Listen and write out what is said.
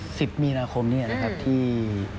ครับวัน๑๐มีนาคมนี้นะครับที่